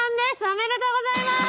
おめでとうございます！